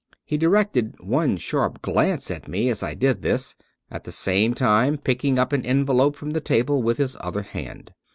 He directed one sharp glance at me as I did this, at the same time picking up an envelope from the table with his other hand.